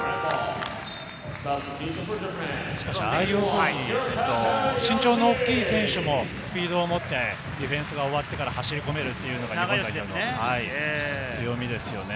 しかし、ああいうふうに身長の大きい選手もスピードを持ってディフェンスが終わってから走り込めるというのは強みですよね。